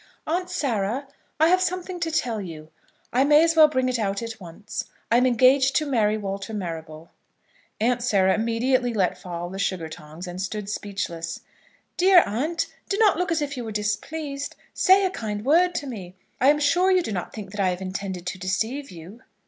"Aunt Sarah, I have something to tell you. I may as well bring it out at once. I am engaged to marry Walter Marrable." Aunt Sarah immediately let fall the sugar tongs, and stood speechless. "Dear aunt, do not look as if you were displeased. Say a kind word to me. I am sure you do not think that I have intended to deceive you."